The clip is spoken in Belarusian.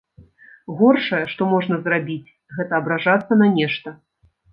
Горшае, што можна зрабіць, гэта абражацца на нешта.